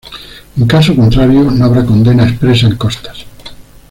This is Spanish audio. En caso contrario, no habrá condena expresa en costas.